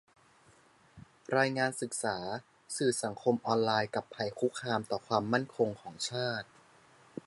รายงานศึกษา "สื่อสังคมออนไลน์กับภัยคุกคามต่อความมั่นคงของชาติ"